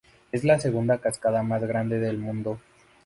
Es la segunda cascada más grande del mundo.